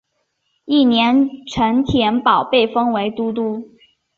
翌年陈添保被封为都督。